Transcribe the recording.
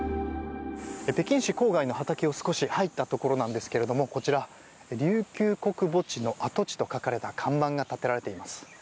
北京市郊外の畑を少し入ったところなんですがこちら、琉球国墓地の跡地と書かれた看板が立てられています。